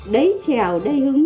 đấy trèo đây hứng